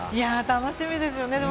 楽しみですよね。